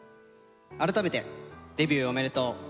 改めてデビューおめでとう。